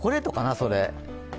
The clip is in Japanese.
それ。